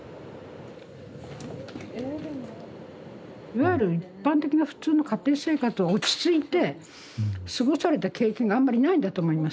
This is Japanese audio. いわゆる一般的な普通の家庭生活を落ち着いて過ごされた経験があんまりないんだと思いますうん。